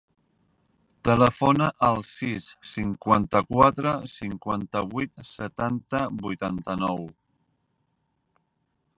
Telefona al sis, cinquanta-quatre, cinquanta-vuit, setanta, vuitanta-nou.